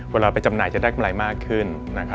เวลาไปจำหน่ายจะได้กำไรมากขึ้น